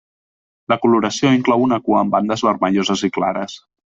La coloració inclou una cua amb bandes vermelloses i clares.